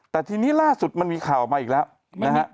แต่ทีนี้ล่าสุดมันมีข่าวออกมาอีกแล้วนะฮะ